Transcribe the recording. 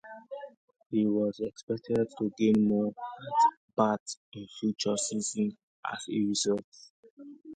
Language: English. He was expected to gain more at bats in future seasons as a result.